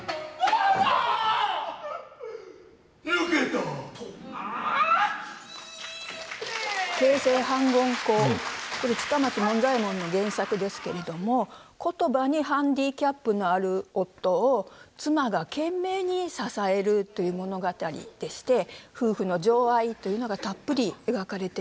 と呆れ「傾城反魂香」これ近松門左衛門の原作ですけれども言葉にハンディキャップのある夫を妻が懸命に支えるという物語でして夫婦の情愛というのがたっぷり描かれています。